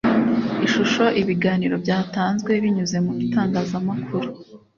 Ishusho ibiganiro byatanzwe binyuze mu itangazamakuru